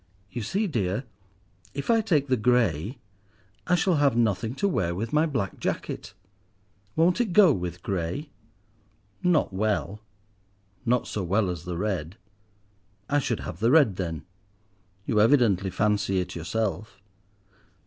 You see, dear, if I take the grey I shall have nothing to wear with my black jacket." "Won't it go with grey?" "Not well—not so well as with red." "I should have the red then. You evidently fancy it yourself."